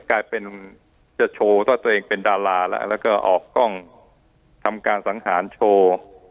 กลายเป็นจะโชว์ถ้าตัวเองเป็นดาราแล้วแล้วก็ออกกล้องทำการสังหารโชว์